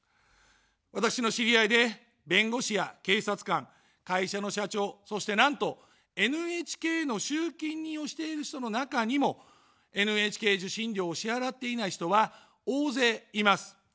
私の知り合いで弁護士や警察官、会社の社長、そして、なんとＮＨＫの集金人をしている人の中にもＮＨＫ受信料を支払っていない人は大勢います。